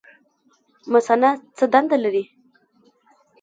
مثانه څه دنده لري؟